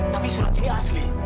tapi surat ini asli